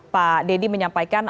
pak deddy menyampaikan